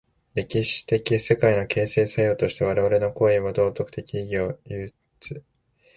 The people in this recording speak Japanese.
歴史的世界の形成作用として我々の行為は道徳的意義を有つ。